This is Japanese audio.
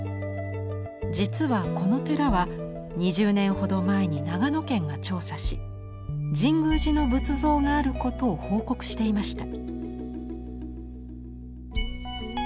実はこの寺は２０年ほど前に長野県が調査し神宮寺の仏像があることを報告していました。